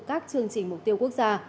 các chương trình mục tiêu quốc gia